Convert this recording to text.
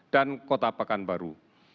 dan kota pekanbaru